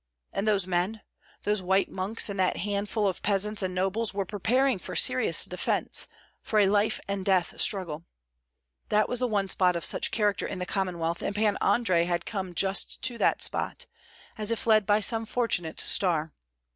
And those men, those white monks, and that handful of peasants and nobles were preparing for serious defence, for a life and death struggle. That was the one spot of such character in the Commonwealth, and Pan Andrei had come just to that spot, as if led by some fortunate star.